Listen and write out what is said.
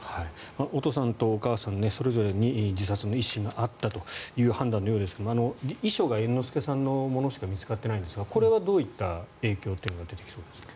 お父さんとお母さんそれぞれに自殺の意思があったという判断のようですが遺書が、猿之助さんのものしか見つかっていないんですがこれはどういった影響というのが出てきそうですか。